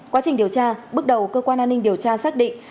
quá trình điều tra bước đầu cơ quan an ninh điều tra xác định